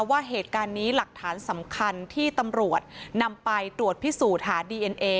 ว่าเหตุการณ์นี้หลักฐานสำคัญที่ตำรวจนำไปตรวจพิสูจน์หาดีเอ็นเอ